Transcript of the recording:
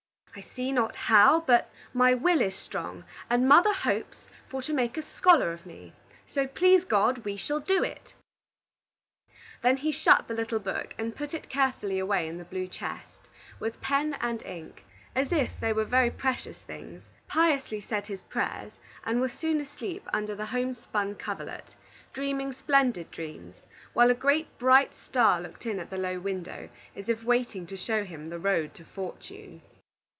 I see not how, but my will is strong, and mother hopes for to make a scholar of me. So, please God, we shall do it." Then he shut the little book and put it carefully away in the blue chest, with pen and ink, as if they were very precious things; piously said his prayers, and was soon asleep under the homespun coverlet, dreaming splendid dreams, while a great bright star looked in at the low window, as if waiting to show him the road to fortune.